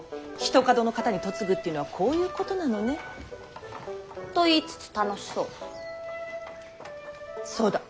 ひとかどの方に嫁ぐっていうのはこういうことなのね。と言いつつ楽しそう。